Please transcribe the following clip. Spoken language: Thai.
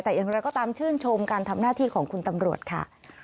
แต่อย่างไรก็ตามชื่นชมการทำหน้าที่ของคุณตำรวจค่ะ